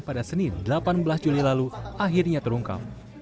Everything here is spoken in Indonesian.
pada senin delapan belas juli lalu akhirnya terungkap